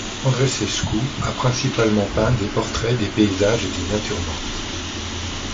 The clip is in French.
Andreescu a principalement peint des portraits, des paysages et des natures mortes.